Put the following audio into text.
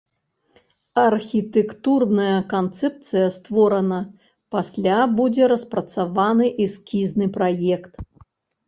Архітэктурная канцэпцыя створана, пасля будзе распрацаваны эскізны праект.